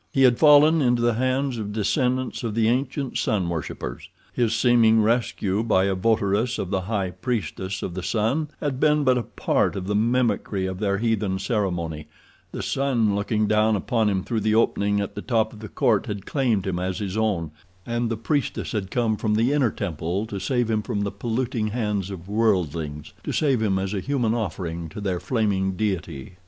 He had fallen into the hands of descendants of the ancient sun worshippers. His seeming rescue by a votaress of the high priestess of the sun had been but a part of the mimicry of their heathen ceremony—the sun looking down upon him through the opening at the top of the court had claimed him as his own, and the priestess had come from the inner temple to save him from the polluting hands of worldlings—to save him as a human offering to their flaming deity.